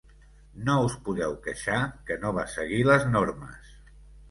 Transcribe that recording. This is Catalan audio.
No us podeu queixar que no va seguir les normes.